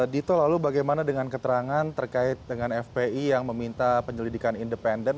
dito lalu bagaimana dengan keterangan terkait dengan fpi yang meminta penyelidikan independen